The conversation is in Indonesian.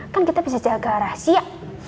kan kita bisa jaga rahasia